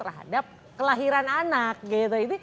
terhadap kelahiran anak gitu